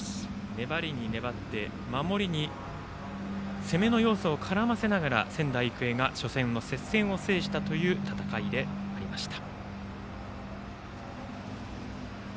粘りに粘って守りに攻めの要素を絡ませながら、仙台育英が初戦の接戦を制した戦いでした。